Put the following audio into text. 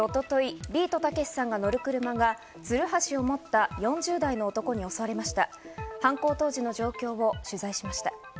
一昨日、ビートたけしさんが乗る車がつるはしを持った４０代の男に襲われました。